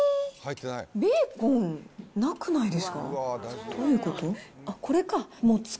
ベーコン、なくないですか？